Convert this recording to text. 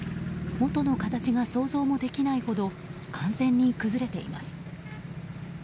もとの形が想像もできないほど完全に崩れています。